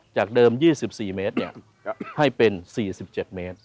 จากเดิม๒๔เมตรให้เป็น๔๗เมตร